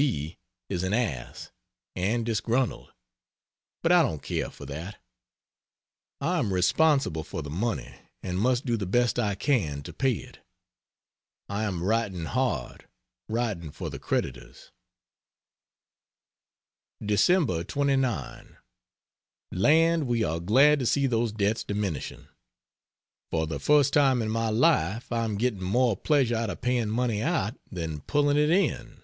B is an ass, and disgruntled, but I don't care for that. I am responsible for the money and must do the best I can to pay it..... I am writing hard writing for the creditors. Dec. 29. Land we are glad to see those debts diminishing. For the first time in my life I am getting more pleasure out of paying money out than pulling it in.